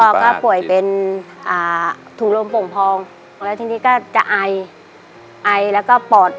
พ่อก็ป่วยเป็นอ่าถุงลมโป่งพองแล้วทีนี้ก็จะไอไอแล้วก็ปอด